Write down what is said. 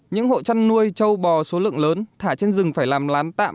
những hộ chăn nuôi châu bò số lượng lớn thả trên rừng phải làm lán tạm